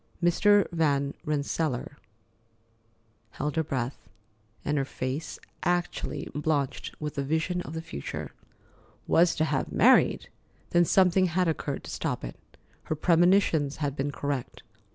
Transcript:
Mrs. Van Rensselaer held her breath, and her face actually blanched with the vision of the future. "Was to have married!" Then something had occurred to stop it. Her premonitions had been correct.